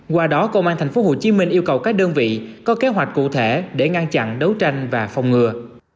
qua đó công an tp hcm yêu cầu các đơn vị có kế hoạch cụ thể để ngăn chặn đấu tranh và phòng ngừa